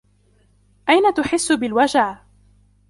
أين تحس بالوجع ؟